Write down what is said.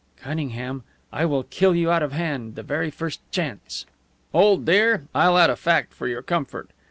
"Cunningham, I will kill you out of hand the very first chance." "Old dear, I'll add a fact for your comfort.